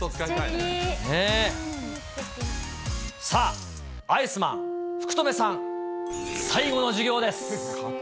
さあ、アイスマン福留さん、最後の授業です。